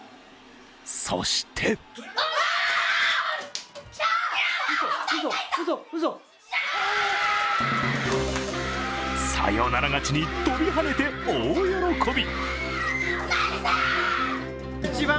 そしてサヨナラ勝ちに跳びはねて大喜び。